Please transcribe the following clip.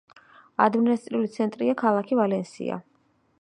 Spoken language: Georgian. ადმინისტრაციული ცენტრია ქალაქი ვალენსია.